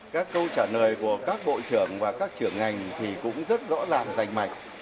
các câu trả lời của các bộ trưởng và các trưởng ngành thì cũng rất rõ ràng rành mạch